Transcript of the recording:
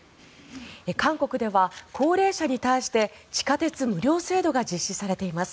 韓国では高齢者に対して地下鉄無料制度が実施されています。